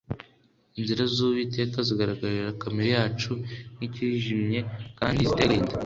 Inzira z'Uwiteka zigaragarira kamere yacu nk'izijimye kandi ziteye agahinda.